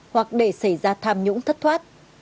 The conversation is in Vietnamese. hoặc để xảy ra tham nhũng thất thoát